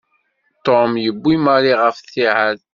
Ṭum yewwi Mari ɣer ttiɛad.